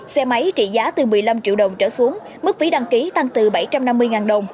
xe máy trị giá từ một mươi năm triệu đồng trở xuống mức phí đăng ký tăng từ bảy trăm năm mươi đồng